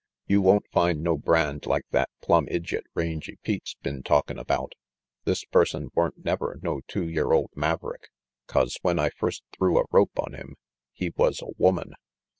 "You won't find no brand like that plumb idjiot Rangy Pete's been talkin' about. This person weren't never no two year old maverick 'cause when I first threw a rope on him he was a woman."